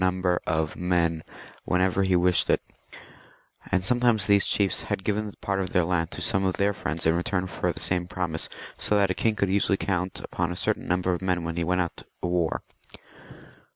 ^■■ number of men whenever he wished it, and sometimes these chiefs had given part of their land to some of their friends in return for the same promise, so that a king could usually count upon a certain number of men when he went to war.